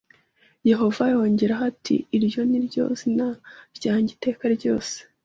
Yehova yongeraho ati iryo ni ryo zina ryanjye iteka ryose